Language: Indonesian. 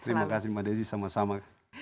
terima kasih mbak desi sama sama